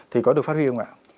thì có được phát huy không ạ